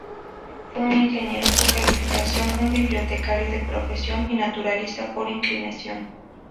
Fue un ingeniero por calificación, un bibliotecario de profesión y naturalista por inclinación.